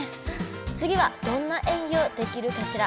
つぎはどんな演技をできるかしら。